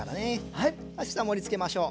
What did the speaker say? はい盛りつけましょう。